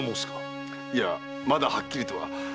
いやまだはっきりとは。